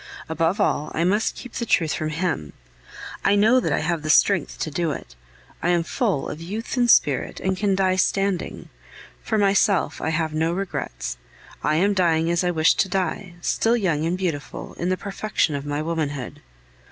Above all, I must keep the truth from him. I know that I have the strength to do it. I am full of youth and spirit, and can die standing! For myself, I have no regrets. I am dying as I wished to die, still young and beautiful, in the perfection of my womanhood.